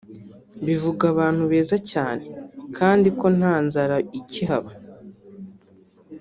bivuga abantu beza cyane) kandi ko nta nzara ikihaba